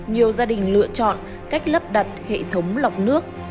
nhiều gia đình lựa chọn cách lắp đặt hệ thống lọc nước